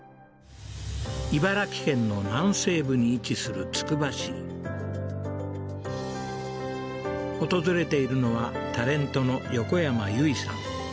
茨城県の南西部に位置するつくば市訪れているのはタレントの横山由依さん